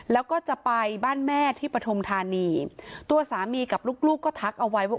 แล้วก็จะไปบ้านแม่ที่ปฐุมธานีตัวสามีกับลูกลูกก็ทักเอาไว้ว่า